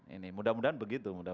ini mudah mudahan begitu